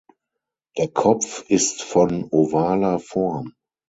Der Kopf ist von ovaler Form.